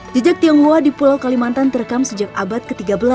jejak tionghoa di pulau kalimantan terekam sejak abad ke tiga belas